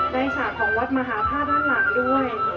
ได้ชาติของวัดมหาภาพด้านหลังด้วย